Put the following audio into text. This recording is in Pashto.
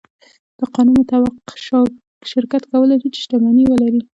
د قانون مطابق شرکت کولی شي، چې شتمنۍ ولري.